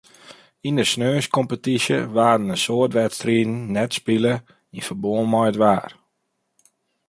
Yn de saterdeiskompetysje waarden in soad wedstriden net spile yn ferbân mei it waar.